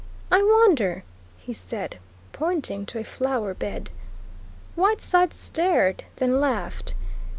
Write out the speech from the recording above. "I wonder," he said, pointing to a flower bed. Whiteside stared, then laughed.